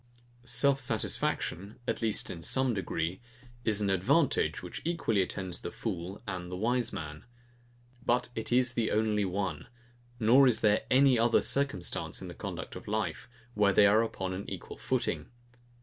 Self satisfaction, at least in some degree, is an advantage, which equally attends the fool and the wise man: But it is the only one; nor is there any other circumstance in the conduct of life, where they are upon an equal footing.